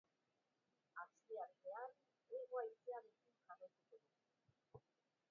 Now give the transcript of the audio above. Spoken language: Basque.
Asteartean hego haizearekin jarraituko dugu.